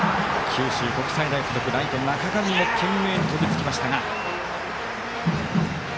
九州国際大付属、ライト中上も懸命に飛びつきましたが。